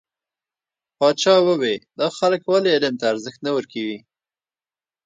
پاچا وويل: دا خلک ولې علم ته ارزښت نه ورکوي .